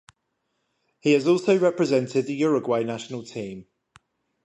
He has also represented the Uruguay national team.